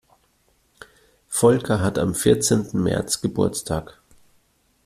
Volker hat am vierzehnten März Geburtstag.